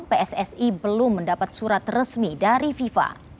pssi belum mendapat surat resmi dari fifa